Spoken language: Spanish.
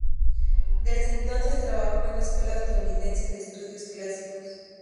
Desde entonces trabajó en la Escuela estadounidense de Estudios Clásicos.